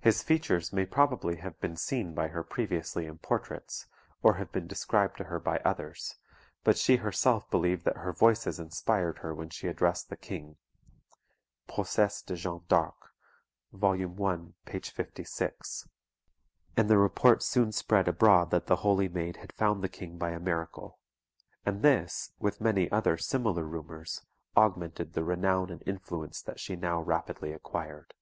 His features may probably have been seen by her previously in portraits, or have been described to her by others; but she herself believed that her Voices inspired her when she addressed the King; [Proces de Jeanne d'Arc, vol. i. p. 56.] and the report soon spread abroad that the Holy Maid had found the King by a miracle; and this, with many other similar rumours, augmented the renown and influence that she now rapidly acquired.